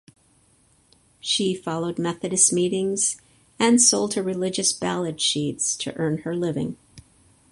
She followed Methodist meetings and sold her religious ballad sheets to earn her living.